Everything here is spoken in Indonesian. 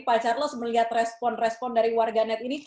pak charles melihat respon respon dari warganet ini